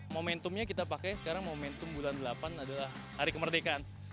momentumnya kita pakai sekarang momentum bulan delapan adalah hari kemerdekaan